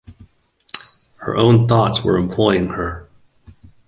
Her own thoughts were employing her.